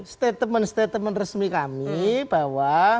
statement statement resmi kami bahwa